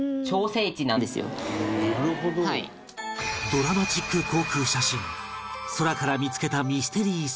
ドラマチック航空写真空から見つけたミステリースポット